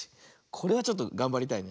これはちょっとがんばりたい。